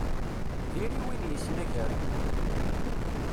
Diri win yesnagaren.